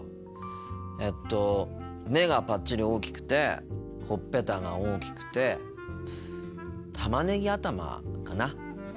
えっと目がぱっちり大きくてほっぺたが大きくてたまねぎ頭かな？